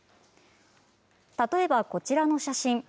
例えばこちらの写真。